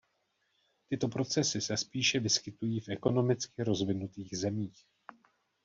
Tyto procesy se spíše vyskytují v ekonomicky rozvinutých zemích.